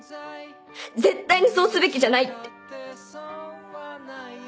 絶対にそうすべきじゃないって。